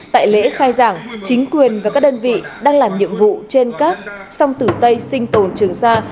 tại lễ khai giảng chính quyền và các đơn vị đang làm nhiệm vụ trên các sông tử tây sinh tồn trường sa